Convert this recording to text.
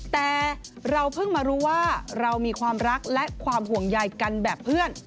แต่เราเพิ่งมารู้ว่าเรามีความรักและความห่วงใยกันแบบเพื่อน